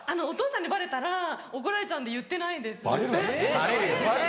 お父さんにバレたら怒られちゃうんで言ってないんです。